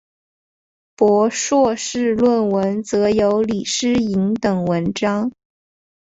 博硕士论文则有李诗莹等文章。